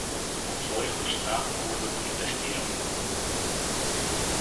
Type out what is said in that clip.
Отворих уста уж да протестирам, но кому?